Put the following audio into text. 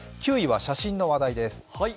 ９位は写真の話題です。